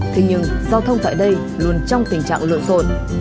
thì nhưng giao thông tại đây luôn trong tình trạng lộn sột